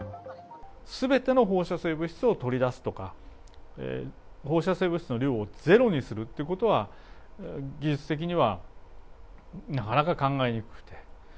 すべての放射性物質を取り出すとか、放射性物質の量をゼロにするってことは、技術的にはなかなか考えにくくて。